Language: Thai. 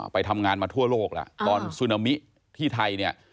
ไปทำงานมาทั่วโลกแล้วตอนซูนามิที่ไทยเนี่ย